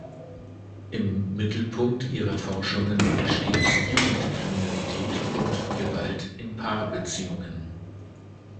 Im Mittelpunkt ihrer Forschungen steht Jugendkriminalität und Gewalt in Paarbeziehungen.